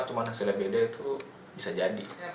cuma hasilnya beda itu bisa jadi